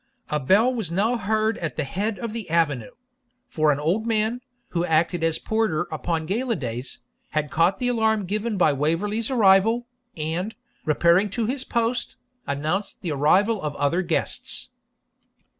A bell was now heard at the head of the avenue; for an old man, who acted as porter upon gala days, had caught the alarm given by Waverley's arrival, and, repairing to his post, announced the arrival of other guests.